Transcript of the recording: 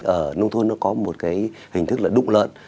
ở nông thôn nó có một cái hình thức là đụng lợn